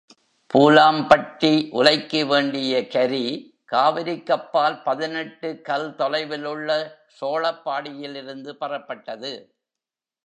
பூலாம்பட்டி உலைக்கு வேண்டிய கரி காவிரிக்கப்பால் பதினெட்டு கல் தொலைவிலுள்ள சோழப்பாடியிலிருந்து பெறப்பட்டது.